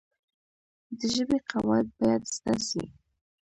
د ژبي قواعد باید زده سي.